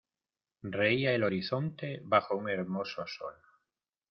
reía el horizonte bajo un hermoso sol.